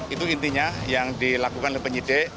itu intinya yang dilakukan oleh penyidik